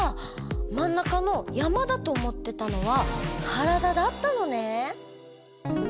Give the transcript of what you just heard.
まん中の山だと思ってたのは体だったのね！